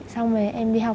xong rồi em đi học